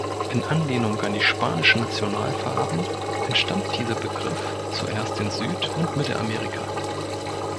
In Anlehnung an die spanischen Nationalfarben entstand dieser Begriff zuerst in Süd- und Mittelamerika.